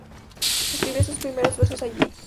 Escribió sus primeras versos allí.